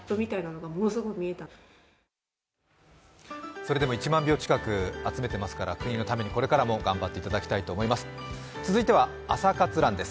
それでも１万票近く集めていますから国のためにこれからも頑張っていただきたいと思います。